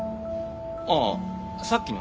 あさっきの？